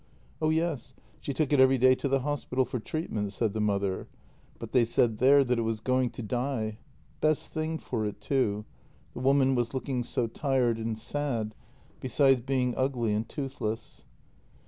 Oh yes, she took it every day to the hospital for treatment, said the mother, but they said there that it was going to die. Best thing for it, too — the woman was looking so tired and sad, besides being ugly and toothless.